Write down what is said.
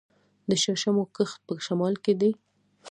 د شړشمو کښت په شمال کې دی.